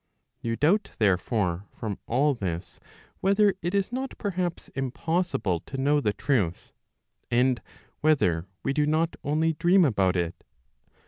You doubt therefore from all this whether it is not perhaps impossible to know the truth, and whether we do not only dream about it.